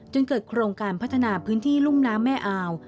เกิดโครงการพัฒนาพื้นที่รุ่มน้ำแม่อาว